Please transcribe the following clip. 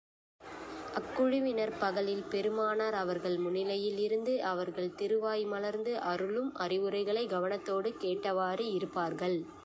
அக்குழுவினர், பகலில் பெருமானார் அவர்கள் முன்னிலையில் இருந்து, அவர்கள் திருவாய் மலர்ந்து அருளும் அறிவுரைகளைக் கவனத்தோடு கேட்டவாறு இருப்பார்கள்.